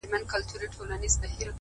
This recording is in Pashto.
• خدايه له بـهــاره روانــېــږمه؛